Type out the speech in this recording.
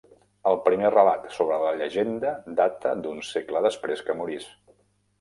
El primer relat sobre la llegenda data d'un segle després que morís.